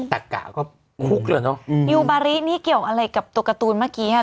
แต่กะก็คุกแล้วเนอะยูบารินี่เกี่ยวอะไรกับตัวการ์ตูนเมื่อกี้อ่ะ